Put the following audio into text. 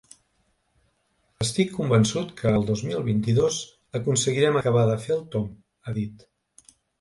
“Estic convençut que el dos mil vint-i-dos aconseguirem acabar de fer el tomb”, ha dit.